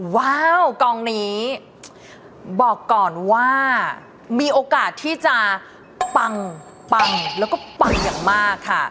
ว้าวกองนี้บอกก่อนว่ามีโอกาสที่จะปังปังแล้วก็ปังอย่างมากค่ะ